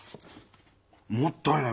もったいない。